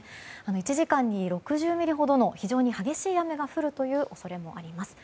１時間に６０ミリほどの非常に激しい雨が降るという恐れがあります。